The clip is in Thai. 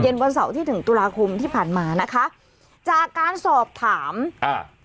วันเสาร์ที่ถึงตุลาคมที่ผ่านมานะคะจากการสอบถามอ่า